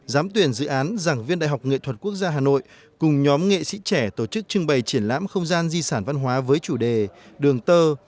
giám tuyển dự án giảng viên đại học nghệ thuật quốc gia hà nội cùng nhóm nghệ sĩ trẻ tổ chức trưng bày triển lãm không gian di sản văn hóa với chủ đề đường tơ